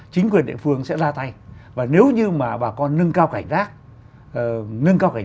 chính quyền địa phương